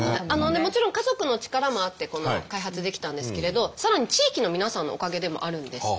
もちろん家族の力もあって開発できたんですけれどさらに地域の皆さんのおかげでもあるんですって。